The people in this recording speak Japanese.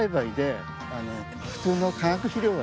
普通の。